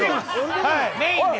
メインです！